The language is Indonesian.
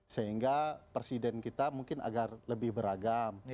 sehingga presiden kita mungkin agar lebih beragam